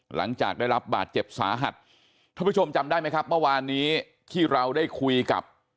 หลังจากได้รับบาดเจ็บสาหัสท่านผู้ชมจำได้ไหมครับเมื่อวานนี้ที่เราได้คุยกับ